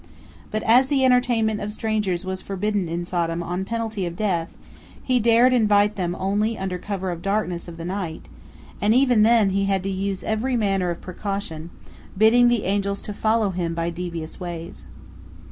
But as the entertainment of strangers was forbidden in Sodom on penalty of death, he dared invite them only under cover of the darkness of night, and even then he had to use every manner of precaution, bidding the angels to follow him by devious ways.